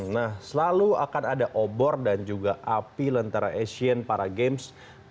nah selalu akan ada obor dan juga api lantara asian paragames dua ribu delapan belas